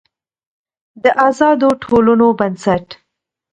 د آزادو ټولنو بنسټ